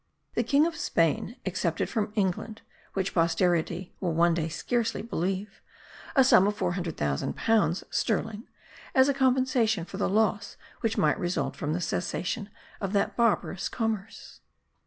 The King of Spain accepted from England (which posterity will one day scarcely believe) a sum of 400,000 pounds sterling, as a compensation for the loss which might result from the cessation of that barbarous commerce.